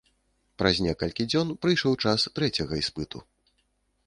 Праз некалькі дзён прыйшоў час трэцяга іспыту.